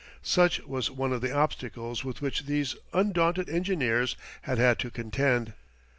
Such was one of the obstacles with which these undaunted engineers had had to contend.